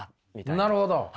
なるほど。